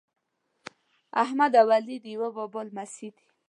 احمد او علي د یوه بابا لمسي دي.